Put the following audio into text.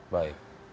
dia bisa menangani